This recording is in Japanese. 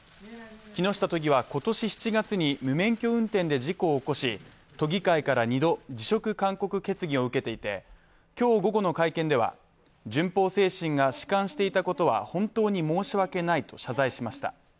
木下都議は今年７月に無免許運転で事故を起こし都議会から２度辞職勧告決議を受けていて、今日午後の会見では、順法精神が弛緩していたことは本当に申し訳ないと謝罪しました。